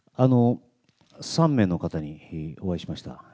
３名の方にお会いしました。